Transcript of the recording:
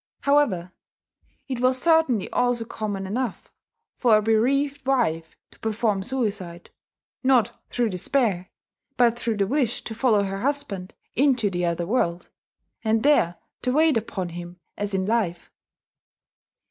However, it was certainly also common enough for a bereaved wife to perform suicide, not through despair, but through the wish to follow her husband into the other world, and there to wait upon him as in life.